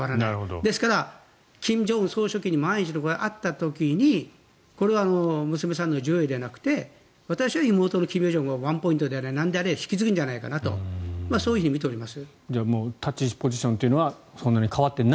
ですから、金正恩総書記に万一のことがあった時にこれは娘さんのジュエではなくて私は妹の金与正がワンポイントであれなんであれ引き継ぐんじゃないかとそう見ています。